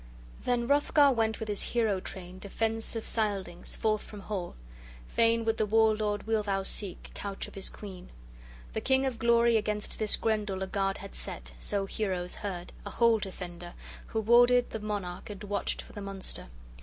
X THEN Hrothgar went with his hero train, defence of Scyldings, forth from hall; fain would the war lord Wealhtheow seek, couch of his queen. The King of Glory against this Grendel a guard had set, so heroes heard, a hall defender, who warded the monarch and watched for the monster.